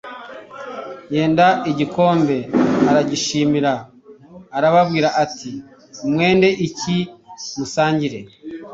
Yenda igikombe aragishimira arababwira ati: "Mwende iki musangire.